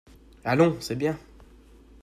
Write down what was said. Allons, c’est bien !